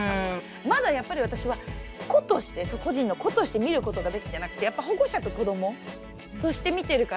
まだやっぱり私は個として個人の「個」として見ることができてなくてやっぱ「保護者と子ども」として見てるから。